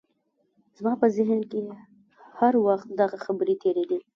زما په ذهن کې هر وخت دغه خبرې تېرېدې